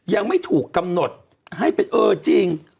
ยังไม่ถูกกำหนดให้เป็นเออจริง